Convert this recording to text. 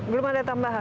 belum ada tambahan